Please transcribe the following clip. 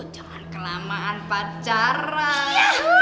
jangan kelamaan pacaran